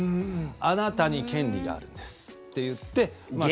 あなたに権利があるんですって言って。